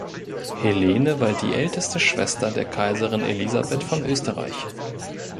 Helene war die älteste Schwester der Kaiserin Elisabeth von Österreich.